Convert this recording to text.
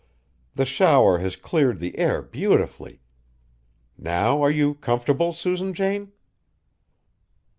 The shower has cleared the air beautifully. Now are you comfortable, Susan Jane?"